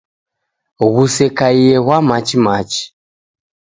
Ghusekaiye ghwa machi machi